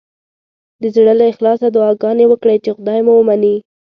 د زړه له اخلاصه دعاګانې وکړئ چې خدای مو ومني.